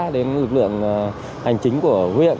đến lực lượng hành chính của huyện